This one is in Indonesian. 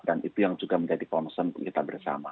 dan itu yang juga menjadi concern kita bersama